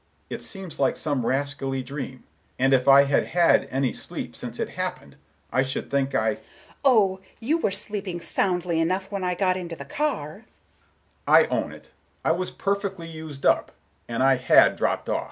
It seems like some rascally dream, and if I had had any sleep since it happened, I should think I—" Miss Galbraith: "Oh! You were sleeping soundly enough when I got into the car!" Mr. Richards: "I own it; I was perfectly used up, and I had dropped off."